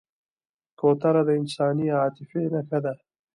کوتره د انساني عاطفې نښه ده.